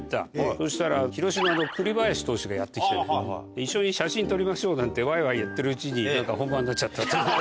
そしたら広島の栗林投手がやって来て「一緒に写真撮りましょう」なんてワイワイやってるうちに本番になっちゃった。